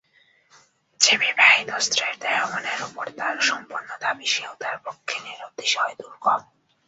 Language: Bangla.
যে বিবাহিত স্ত্রীর দেহমনের উপর তার সম্পূর্ণ দাবি সেও তার পক্ষে নিরতিশয় দুর্গম।